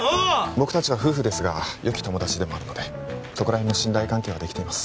僕達は夫婦ですがよき友達でもあるのでそこら辺の信頼関係はできてます